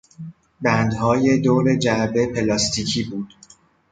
بندهای دور جعبه پلاستیکی بود.